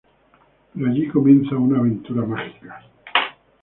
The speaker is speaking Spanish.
Pero allí comienza una aventura mágica.